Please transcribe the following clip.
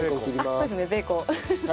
あっそうですねベーコン。